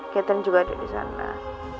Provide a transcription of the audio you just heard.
ketan juga ada disana